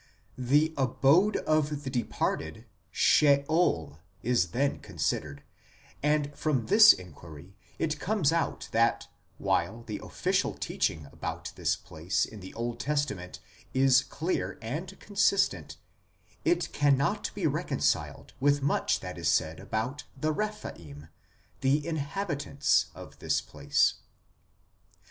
The abode of the departed, Sheol, is then considered ; and from this inquiry it icomes out that while the official teaching about this place in the Old Testament is clear and consistent, it cannot be reconciled with much that is said about the Eephaim, the inhabitants of this place.